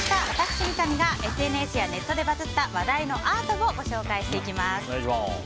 私、三上がＳＮＳやネットでバズった話題のアートをご紹介していきます。